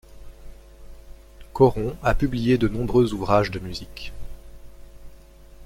Choron a publié de nombreux ouvrages de musique.